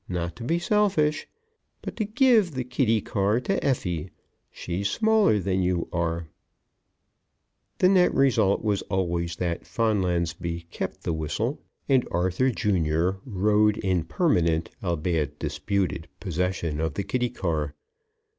not to be selfish, but to "give the kiddie car to Effie; she's smaller than you are," the net result was always that Fonlansbee kept the whistle and Arthur, Jr., rode in permanent, albeit disputed, possession of the kiddie car.